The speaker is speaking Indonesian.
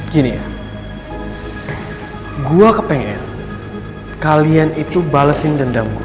gini gua kepengen kalian itu balesin dendam gue